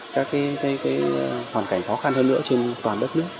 các phòng cảnh khó khăn hơn nữa trên toàn đất nước